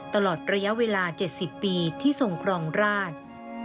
ตลอดระยะเวลา๗๐ปีที่ทรงครองราช